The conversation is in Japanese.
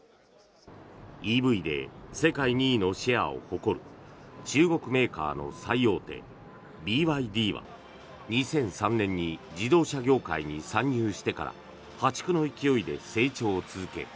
ＥＶで世界２位のシェアを誇る中国メーカーの最大手、ＢＹＤは２００３年に自動車業界に参入してから破竹の勢いで成長を続け